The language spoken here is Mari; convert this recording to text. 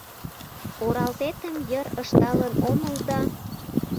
Оралтетым йыр ышталын омыл да